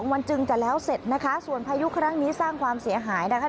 วันจึงจะแล้วเสร็จนะคะส่วนพายุครั้งนี้สร้างความเสียหายนะคะ